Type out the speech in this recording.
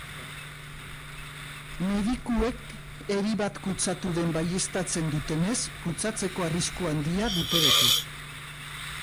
Medikuek eri bat kutsatu den baieztatzen dutenez, kutsatzeko arrisku handia dute beti.